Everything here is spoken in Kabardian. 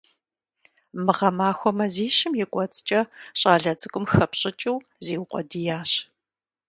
Мы гъэмахуэ мазищым и кӀуэцӀкӀэ щӀалэ цӀыкӀум хэпщӀыкӀыу зиукъуэдиящ.